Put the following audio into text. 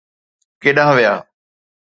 ڪيڏانهن ويا؟